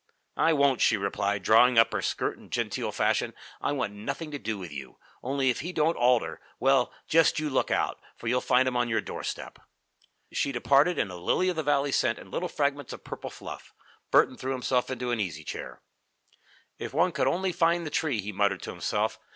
"I won't!" she replied, drawing up her skirt in genteel fashion. "I want nothing to do with you. Only, if he don't alter, well, just you look out, for you'll find him on your doorstep." She departed in a "Lily of the Valley" scent and little fragments of purple fluff. Burton threw himself into an easy chair. "If one could only find the tree," he muttered to himself.